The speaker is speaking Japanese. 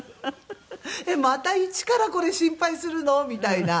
えっまた一からこれ心配するの？みたいな。